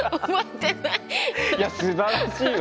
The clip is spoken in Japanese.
いやすばらしいわ！